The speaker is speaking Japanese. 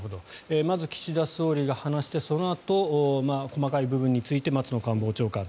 まず岸田総理が話してそのあと細かい部分について松野官房長官。